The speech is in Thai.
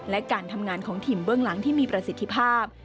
และการทำงานของทีมเบื้องหลังที่มีประสิทธิภาพ